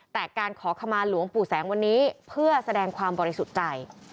แต่การขอขมาหลวงปู่แสงวันนี้เพื่อแสดงความบริสุทธิ์ใจ